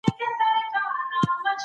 لغاتونه په معاصره پښتو ژبه کي نه کاريږي.